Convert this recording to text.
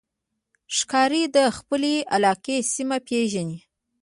ښکاري د خپلې علاقې سیمه پېژني.